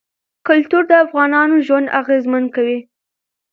کلتور د افغانانو ژوند اغېزمن کوي.